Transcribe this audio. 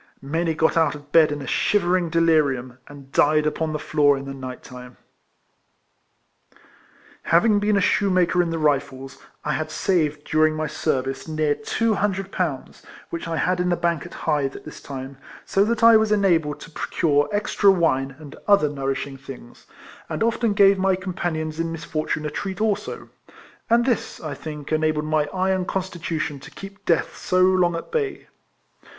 Many got out of bed in a shivering delirium, and died upon the floor in the night time. Having been a shoemaker in the Rifles, I had saved during my service near two hundred pounds, which I had in the bank at Hythe at this time, so that I was enabled EIFLEMAN HARRIS 263 to procure extra wine and other nourishing things, and often gave my companions in misfortune a treat also; and this I think enabled my iron constitution to keep death so long at bay.